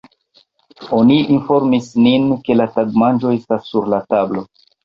Oni informis nin, ke la tagmanĝo estas sur la tablo.